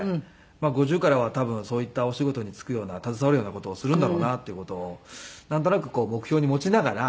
５０からは多分そういったお仕事に就くような携わるような事をするんだろうなっていう事をなんとなくこう目標に持ちながら。